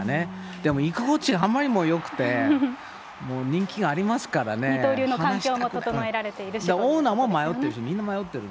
でも居心地あまりにもよくて、二刀流の環境も整えられていオーナーも迷っているし、みんな迷っている。